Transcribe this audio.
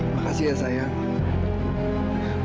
makasih ya sayang